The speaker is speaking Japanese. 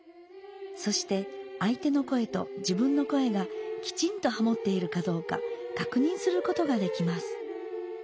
そしてあいての声と自分の声がきちんとハモっているかどうかかくにんすることができます。